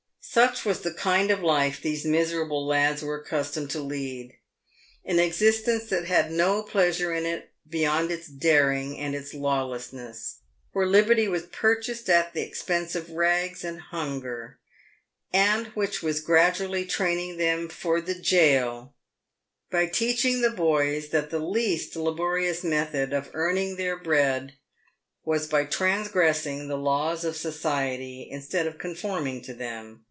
Such was the kind of life these miserable lads were accustomed to lead. An existence that had no pleasure in i't beyond its daring and its lawlessness; where liberty was purchased at the expense of rags and hunger ; and which was gradually training them for the gaol, by teach ing the boys that the least laborious method of earning their bread was v< PAVED WITH GOLD. 119 by transgressing the laws of society, instead of conforming to them.